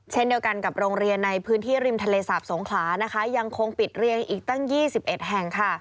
เช่นเดียวกันกับโรงเรียนในพื้นที่ริมทะเลสาบสงขลานะคะยังคงปิดเรียงอีกตั้ง๒๑แห่งค่ะ